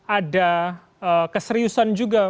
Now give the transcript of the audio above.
ada keseriusan juga